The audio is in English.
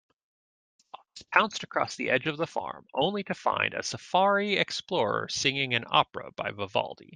The fox pounced across the edge of the farm, only to find a safari explorer singing an opera by Vivaldi.